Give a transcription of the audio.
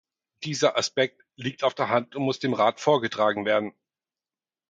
Dieser Aspekt liegt auf der Hand und muss dem Rat vorgetragen werden.